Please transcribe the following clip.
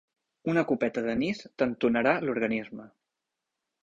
Una copeta d'anís t'entonarà l'organisme.